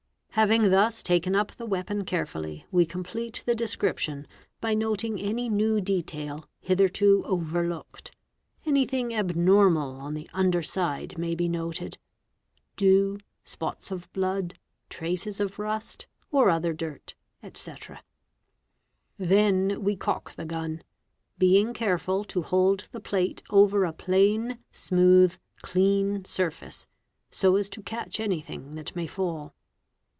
'asf Having thus taken up the weapon carefully, we complete the descrip tion by noting any new detail hitherto overlooked; anything abnormal on the under side may be noted—dew, spots of blood, traces of rust or other dirt, etc. Then we cock the gun, being careful to hold the plate over a plane, smooth, clean surface, so as to catch anything that may fall.